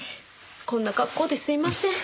こんな格好ですいません。